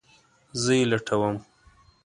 زه یی لټوم